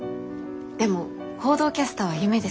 でも報道キャスターは夢ですから。